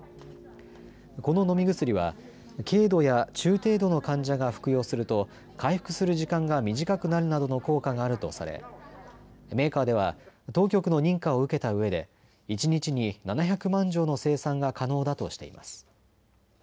この飲み薬は軽度や中程度の患者が服用すると回復する時間が短くなるなどの効果があるとされメーカーでは当局の認可を受けたうえで一日に７００万錠の生産が可能だとしています。